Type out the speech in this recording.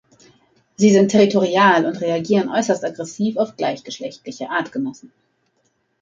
Sie sind territorial und reagieren äußerst aggressiv auf gleichgeschlechtliche Artgenossen.